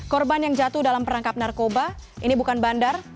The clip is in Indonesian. korban yang jatuh dalam perangkap narkoba ini bukan bandar